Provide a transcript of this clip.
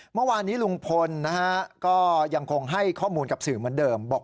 เมื่อวานนี้ลุงพลนะฮะก็ยังคงให้ข้อมูลกับสื่อเหมือนเดิมบอก